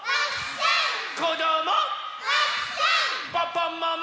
パパママ！